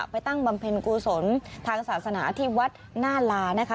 ตั้งบำเพ็ญกุศลทางศาสนาที่วัดหน้าลานะคะ